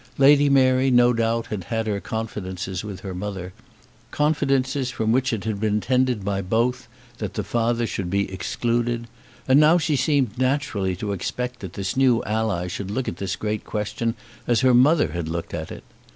Lady Mary no doubt had had her confidences with her mother, confidences from which it had been intended by both that the father should be excluded; and now she seemed naturally to expect that this new ally should look at this great question as her mother had looked at it.